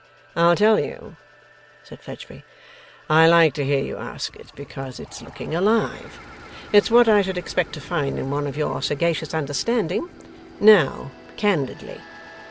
'I'll tell you,' said Fledgeby. 'I like to hear you ask it, because it's looking alive. It's what I should expect to find in one of your sagacious understanding. Now, candidly.